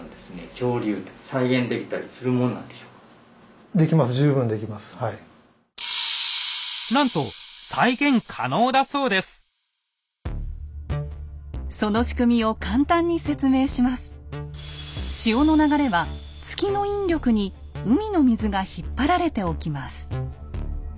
潮の流れは月の引力に海の水が引っ張られて起きます。